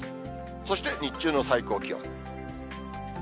そして日中の最高気温。